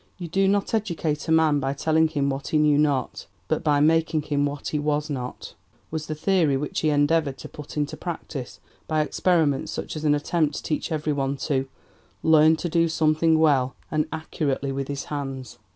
"You do not educate a man by telling him what he knew not, but by making him what he was not," was the theory which he endeavoured to put into practice by experiments such as an attempt to teach every one to "learn to do something well and accurately with his hands."